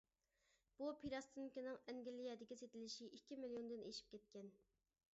بۇ پىلاستىنكىنىڭ ئەنگلىيەدىكى سېتىلىشى ئىككى مىليوندىن ئېشىپ كەتكەن.